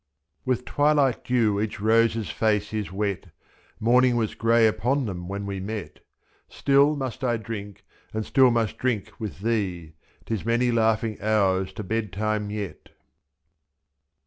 With twilight dew each rose's face is wety Morning was grey upon them when we mety is%'Still must I drinky and still must drink with thee^^^ ^Tis many laughing hours to bed time yet.